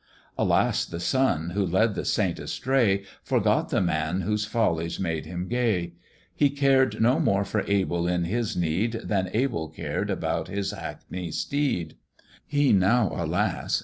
Alas! the son, who led the saint astray, Forgot the man whose follies made him gay; He cared no more for Abel in his need, Than Abel cared about his hackney steed: He now, alas!